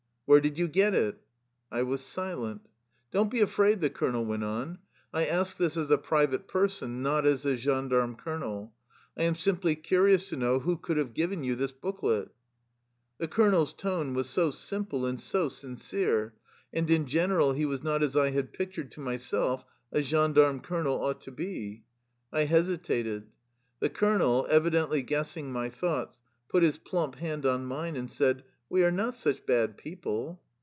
" Where did you get it? " I was silent. " Don't be afraid/' the colonel went on. " I ask this as a private person, not as the gendarme colonel. I am simply curious to know who could have given you this booklet." The colonel's tone was so simple and so sin cere, and in general he was not as I had pictured to myself a gendarme colonel ought to be. I hesitated. The colonel, evidently guessing my thoughts, put his plump hand on mine and said :^' We are not such bad people."